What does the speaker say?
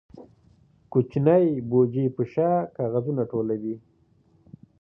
کوچنی بوجۍ په شا کاغذونه ټولوي.